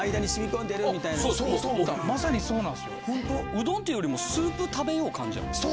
うどんっていうよりもスープ食べよう感じやもんね！